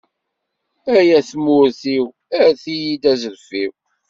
Ay at tmurt-iw, erret-iyi-d azref-iw.